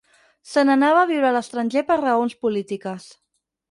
Se n'anava a viure a l'estranger per raons polítiques.